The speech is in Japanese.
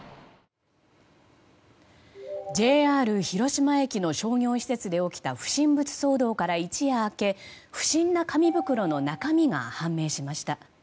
ＪＲ広島駅の商業施設で起きた不審物騒動から一夜明け不審な紙袋の中身が判明しました。